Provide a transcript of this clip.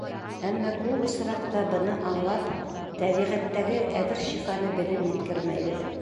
Әммә күп осраҡта быны аңлап, тәбиғәттәге әҙер шифаны белеп еткермәйбеҙ.